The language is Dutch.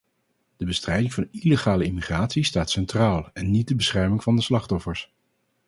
De bestrijding van illegale immigratie staat centraal, en niet de bescherming van de slachtoffers.